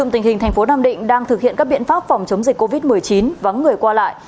hình hình tp nam định đang thực hiện các biện pháp phòng chống dịch covid một mươi chín vắng người qua lại